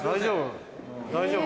大丈夫？